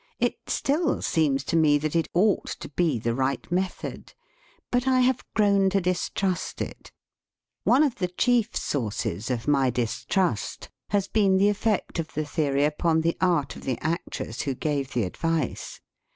It still seems to me that it ought to be the right method. But I have grown to distrust it. One of the chief sources of my distrust has been the effect of the theory upon the art of the actress who gave the advice.